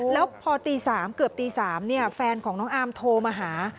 แล้วพอตี๓เกือบตี๓แฟนของน้องอาร์มโทรมาหา